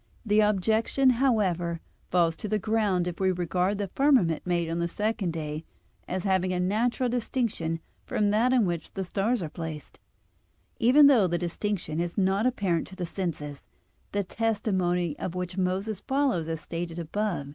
The objection, however, falls to the ground if we regard the firmament made on the second day as having a natural distinction from that in which the stars are placed, even though the distinction is not apparent to the senses, the testimony of which Moses follows, as stated above (De Coel.